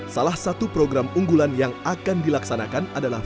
salah satu program unggulan yang akan dilaksanakan adalah